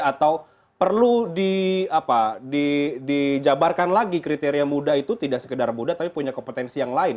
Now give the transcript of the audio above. atau perlu dijabarkan lagi kriteria muda itu tidak sekedar muda tapi punya kompetensi yang lain